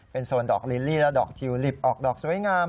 โซนดอกลิลลี่และดอกทิวลิปออกดอกสวยงาม